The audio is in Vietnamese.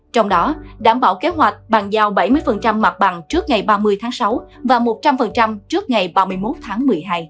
trong đó đảm bảo kế hoạch bàn giao bảy mươi mặt bằng trước ngày ba mươi tháng sáu và một trăm linh trước ngày ba mươi một tháng một mươi hai